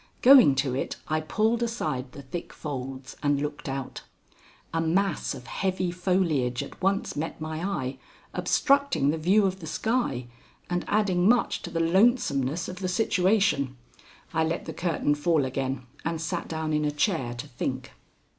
Going to it, I pulled aside the thick folds and looked out. A mass of heavy foliage at once met my eye, obstructing the view of the sky and adding much to the lonesomeness of the situation. I let the curtain fall again and sat down in a chair to think.